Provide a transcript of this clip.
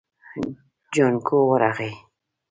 جانکو ورغی.